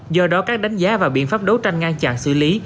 do đó các đánh giá và biện pháp đấu tranh ngăn chặn xử lý